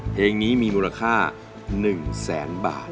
เพลงนี้มีมูลค่า๑แสนบาท